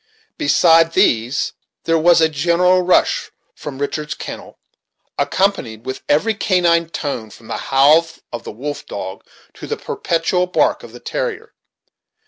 Besides these, there was a general rush from Richard's kennel, accompanied with every canine tone from the howl of the wolf dog to the petulant bark of the terrier.